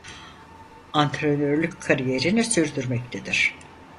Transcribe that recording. Antrenörlük kariyerini sürdürmektedir.